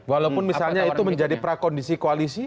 walaupun misalnya itu menjadi prakondisi koalisi